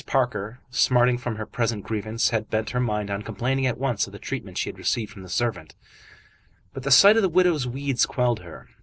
Parker, smarting from her present grievance, had bent her mind on complaining at once of the treatment she had received from the servant, but the sight of the widow's weeds quelled her.